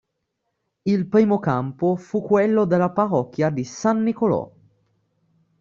Il primo campo fu quello della Parrocchia di San Nicolò.